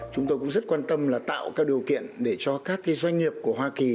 chúng tôi cũng rất quan tâm là tạo các điều kiện để cho các doanh nghiệp của hoa kỳ